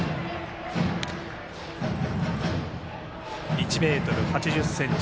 １ｍ８０ｃｍ。